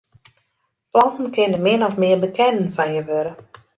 Planten kinne min of mear bekenden fan je wurde.